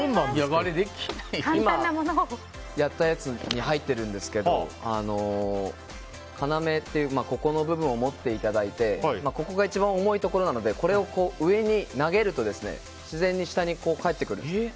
今やったやつに入ってるんですけど要という部分を持っていただいて要が一番重いところなのでこれを上に投げると自然に下に返ってくる。